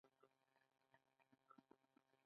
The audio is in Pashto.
آیا بل متل نه وايي: خپل عمل د لارې مل؟